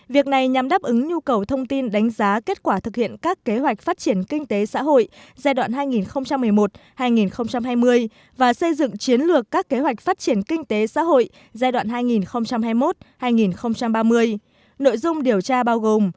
việc này nhằm đáp ứng nhu cầu thông tin đánh giá kết quả thực hiện các kế hoạch phát triển kinh tế xã hội giai đoạn hai nghìn một mươi một hai nghìn hai mươi và xây dựng chiến lược các kế hoạch phát triển kinh tế xã hội giai đoạn hai nghìn hai mươi một hai nghìn ba mươi